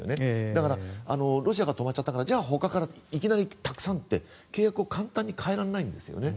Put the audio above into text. だからロシアが止まったからじゃあほかからいきなりたくさんって契約を簡単に変えられないんですね。